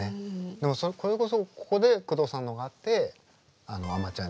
でもそれこそここで宮藤さんのがあって「あまちゃん」にそのあとね。